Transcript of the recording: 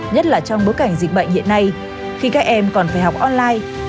nhất là trong bối cảnh dịch bệnh hiện nay khi các em còn phải học online